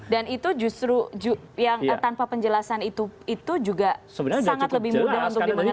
dan itu justru tanpa penjelasan itu juga sangat lebih mudah untuk dimengerti